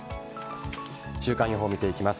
週間予報を見ていきます。